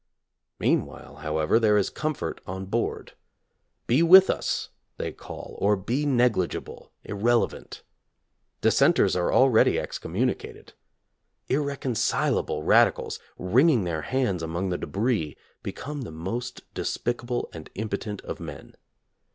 Meanwhile, however, there is comfort on board. Be with us, they call, or be negligible, irrelevant. Dissenters are already excommuni cated. Irreconcilable radicals, wringing their hands among the debris, become the most despic able and impotent of men.